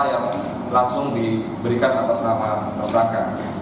yang langsung diberikan atas nama tersangka